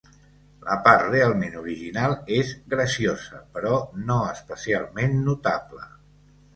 La part realment original és graciosa però no especialment notable.